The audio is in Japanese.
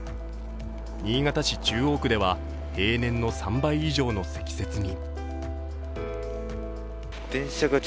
新潟市中央区では平年の３倍以上の積雪に。